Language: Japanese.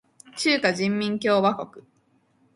中華人民共和国